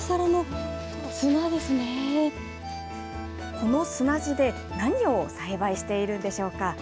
この砂地で、何を栽培しているんでしょうか。